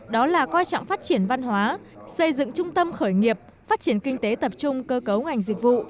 đó là coi trọng phát triển văn hóa xây dựng trung tâm khởi nghiệp phát triển kinh tế tập trung cơ cấu ngành dịch vụ